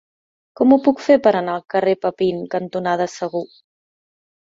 Com ho puc fer per anar al carrer Papin cantonada Segur?